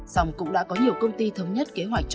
xong cũng đã có nhiều công ty thống nhất kế hoạch